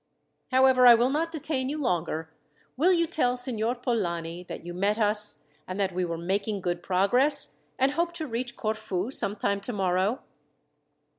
"However, I will not detain you longer. Will you tell Signor Polani that you met us, and that we were making good progress, and hoped to reach Corfu some time tomorrow?"